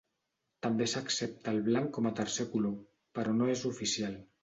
També s'accepta el blanc com a tercer color, però no és oficial.